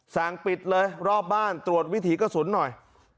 สั่งปิดเลยรอบบ้านตรวจวิถีกระสุนหน่อย